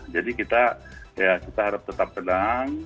jadi kita harap tetap tenang